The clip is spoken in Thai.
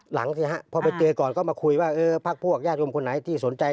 หลังครับพอไปเจอก่อนก็มาคุยว่าพระผู้อย่างนมคนไหนที่สนใจ